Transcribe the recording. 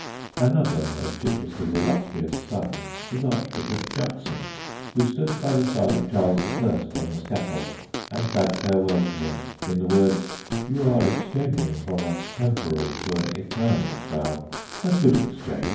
Another of Chichester's illustrious sons is Archbishop Juxon, who stood by the side of Charles I. on the scaffold and bade farewell to him in the words "You are exchanging from a temporal to an eternal crown a good exchange."